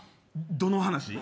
どの話。